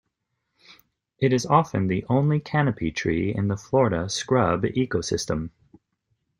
It is often the only canopy tree in the Florida scrub ecosystem.